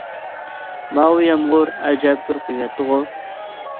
ماۋۇ يامغۇر ئەجەب بىر قۇيۇۋەتتىغۇ!